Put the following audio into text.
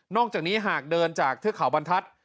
นอกจากนี้หากเดินจากทืกขาวบรรทัศน์